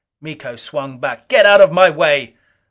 Miko swung back. "Get out of my way!"